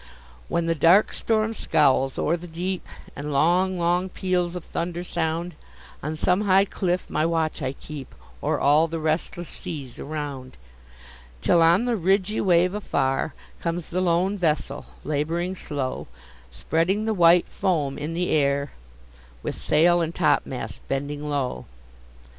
When the dark storm scowls o'er the deep, And long, long peals of thunder sound, On some high cliff my watch I keep O'er all the restless seas around: Till on the ridgy wave afar Comes the lone vessel, labouring slow, Spreading the white foam in the air, With sail and top mast bending low.